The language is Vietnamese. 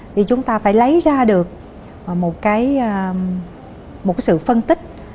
thì chúng ta phải lấy ra được một sự phân tích